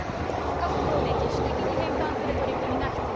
各党で、自主的に返還する取り組みが必要。